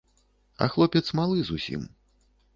А хлопец малы зусім.